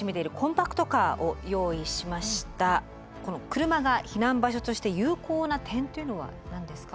この車が避難場所として有効な点っていうのは何ですか？